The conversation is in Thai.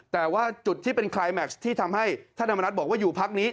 แต่ว่าจุดที่เป็นคลายแม็กซ์ที่ทำให้ท่านธรรมนัฐบอกว่าอยู่พักนี้